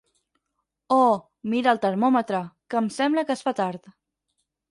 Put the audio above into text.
O «mira el termòmetre, que em sembla que es fa tard».